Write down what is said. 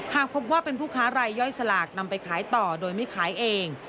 หากพบว่าเป็นผู้ค้ารายย่อยสลากนำไปขายต่อโดยไม่ขายเอง